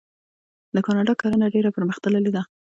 د کاناډا کرنه ډیره پرمختللې ده.